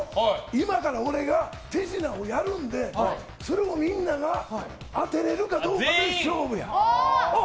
今から俺が手品をやるんでそれをみんなが当てれるかどうかで勝負や。